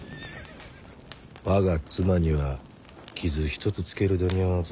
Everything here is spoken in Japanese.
我が妻には傷一つつけるだにゃあぞ。